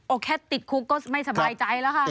แค่ติดคุกก็ไม่สบายใจแล้วค่ะ